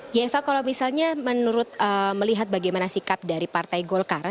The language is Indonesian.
ya eva kalau misalnya menurut melihat bagaimana sikap dari partai golkar